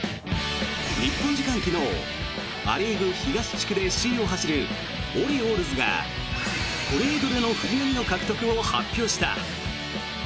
日本時間昨日ア・リーグ東地区で首位を走るオリオールズがトレードでの藤浪の獲得を発表した。